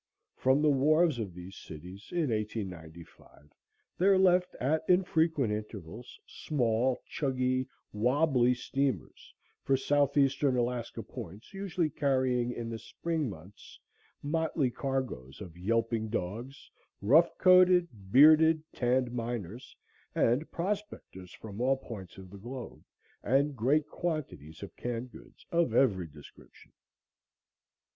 From the wharves of these cities in 1895 there left at infrequent intervals, small chuggy, wobbly steamers for Southeastern Alaska points usually carrying in the spring months motley cargoes of yelping dogs, rough coated, bearded, tanned miners and prospectors from all points of the globe, and great quantities of canned goods of every description.